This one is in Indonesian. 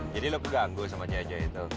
jadi lo keganggu sama cewek cewek itu